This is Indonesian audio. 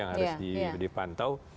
yang harus dipantau